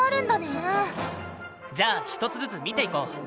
じゃあ１つずつ見ていこう。